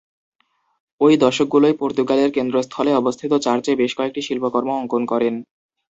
ঐ দশকগুলোয় পর্তুগালের কেন্দ্রস্থলে অবস্থিত চার্চে বেশ কয়েকটি শিল্পকর্ম অঙ্কন করেন।